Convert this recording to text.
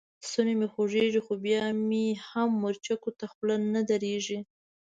ستونی مې خوږېږي؛ خو بيا مې هم مرچو ته خوله نه درېږي.